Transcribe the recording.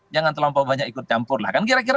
jangan terlampau banyak ikut campur lah kan kira kira